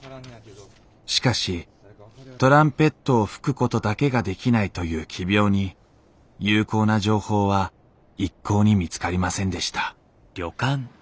しかしトランペットを吹くことだけができないという奇病に有効な情報は一向に見つかりませんでした